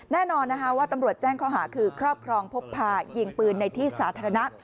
แน่นอนนะคะว่าตำรวจแจ้งข้อหาคือครอบครองพกพายิงปืนในที่สาธารณะ